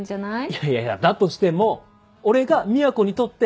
いやいやいやだとしても俺が美和子にとってもっと。